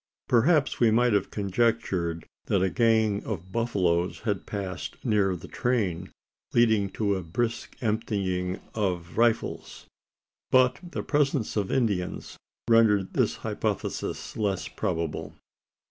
Perhaps we might have conjectured, that a gang of buffaloes had passed near the train leading to a brisk emptying of rifles. But the presence of the Indians rendered this hypothesis less probable.